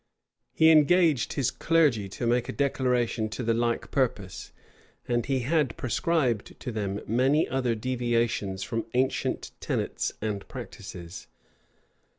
He engaged his clergy to make a declaration to the like purpose; and he had prescribed to them many other deviations from ancient tenets and practices.